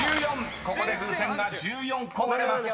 ここで風船が１４個割れます］